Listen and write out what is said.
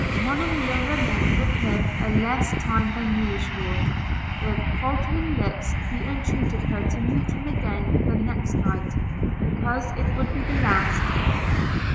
Monimia remained with him a less time than usual – with faltering lips he entreated her to meet him again the next night, because it would be the last.